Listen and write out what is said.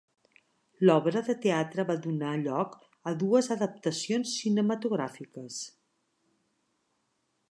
L'obra de teatre va donar lloc a dues adaptacions cinematogràfiques.